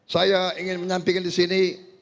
saya ingin menyampaikan disini